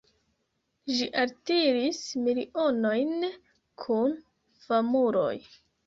Ĝi altiris milionojn kun famuloj.